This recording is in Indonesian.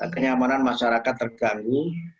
kenyamanan masyarakat terganggu